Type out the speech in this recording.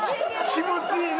気持ちいいね！